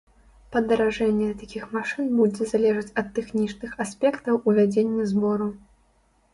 Падаражэнне такіх машын будзе залежаць ад тэхнічных аспектаў ўвядзення збору.